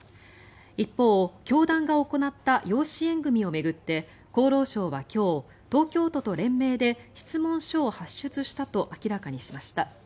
一方、教団が行った養子縁組を巡って厚労省は今日、東京都と連名で質問書を発出したと明らかにしました。